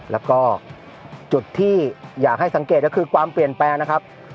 แล้วก็จุดที่อยากให้สังเกตก็คือความเปลี่ยนแปลงนะครับ